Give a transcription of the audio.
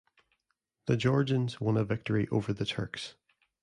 The Georgians won a victory over the Turks.